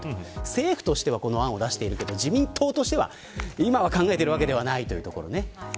政府としてはこの案を出してるけど自民党としては今は考えているわけではないというところです。